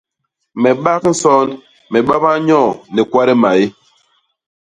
Me bak nson, me babaa nyoo ni kwade maé.